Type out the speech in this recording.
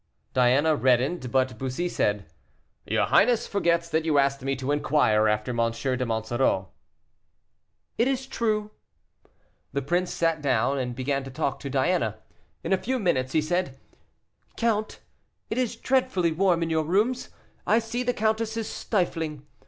Diana reddened, but Bussy said: "Your highness forgets that you asked me to inquire after M. de Monsoreau." "It is true." The prince sat down, and began to talk to Diana. In a few minutes he said, "Count, it is dreadfully warm in your rooms. I see the countess is stifling.